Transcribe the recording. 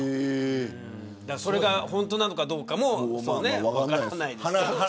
それが本当なのかどうかも分からないですけど。